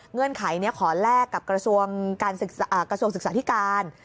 เงื่อนไขขอแลกกับกระทรวงศึกษาธิการ